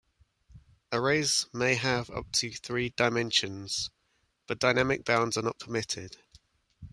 Arrays may have up to three dimensions, but dynamic bounds are not permitted.